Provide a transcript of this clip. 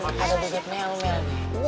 maksud bebek melmel be